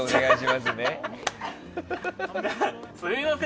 すみません。